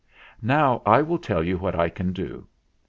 Now I will tell you what I can do.